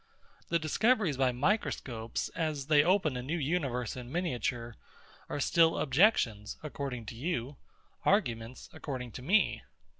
The discoveries by microscopes, as they open a new universe in miniature, are still objections, according to you, arguments, according to me.